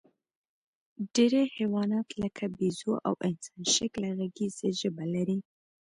ډېری حیوانات، لکه بیزو او انسانشکله غږیزه ژبه لري.